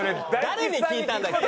誰に聞いたんだっけ？